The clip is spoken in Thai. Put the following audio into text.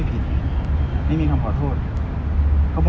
คุณพี่ตะเนื้อข่าว